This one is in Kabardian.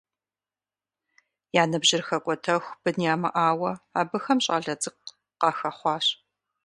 Я ныбжьыр хэкӏуэтэху бын ямыӏауэ, абыхэм щӏалэ цӏыкӏу къахэхъуащ.